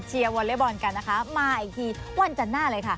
วอเล็กบอลกันนะคะมาอีกทีวันจันทร์หน้าเลยค่ะ